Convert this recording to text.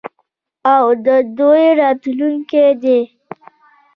او د دوی راتلونکی دی.